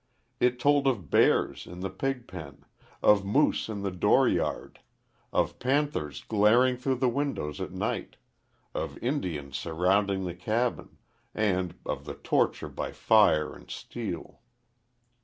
It told of bears in the pig pen, of moose in the door yard, of panthers glaring through the windows at night, of Indians surrounding the cabin, and of the torture by fire and steel.